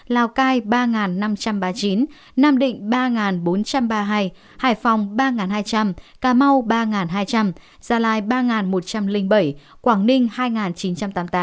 lào cai ba năm trăm ba mươi chín nam định ba bốn trăm ba mươi hai hải phòng ba hai trăm linh cà mau ba hai trăm linh gia lai ba một trăm linh bảy quảng ninh hai chín trăm tám mươi tám